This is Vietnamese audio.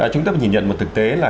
chúng ta nhìn nhận một thực tế là